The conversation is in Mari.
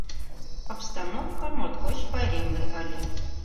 Обстановко моткоч пайремле ыле.